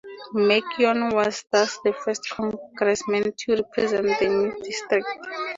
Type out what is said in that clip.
McKeon was thus the first congressman to represent the new district.